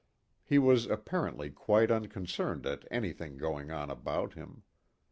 He was apparently quite unconcerned at anything going on about him.